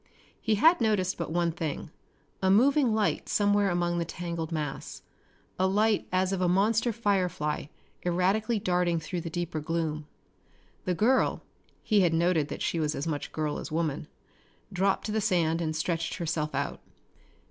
He had noticed but one thing a moving light somewhere among the tangled mass, a light as of a monster firefly erratically darting through the deeper gloom. The girl he had noted she was as much girl as woman dropped to the sand and stretched herself out.